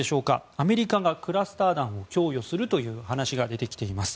アメリカがクラスター弾を供与するという話が出てきています。